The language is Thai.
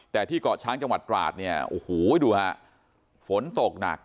แต่ที่เกาะช้างจังหวัดตราดเนี่ยโอ้โหดูฮะฝนตกหนัก